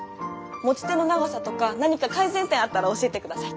持ち手の長さとか何か改善点あったら教えて下さい。